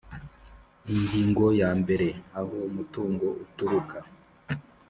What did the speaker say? Ingingo ya mbere aho umutungo uturuka